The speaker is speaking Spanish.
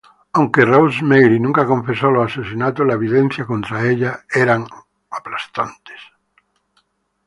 Aunque Rosemary nunca confesó los asesinatos, la evidencia contra ella era aplastante.